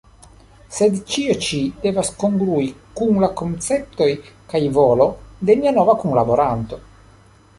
Sed ĉio ĉi devas kongrui kun la konceptoj kaj volo de nia nova kunlaboranto.